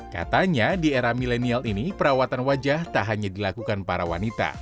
katanya di era milenial ini perawatan wajah tak hanya dilakukan para wanita